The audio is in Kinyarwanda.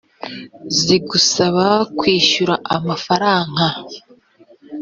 zigusaba kwishyura amafaranga